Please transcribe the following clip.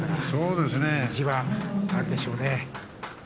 そうですね。